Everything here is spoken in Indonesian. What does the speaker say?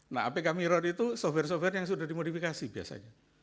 nah apk miron itu soft software yang sudah dimodifikasi biasanya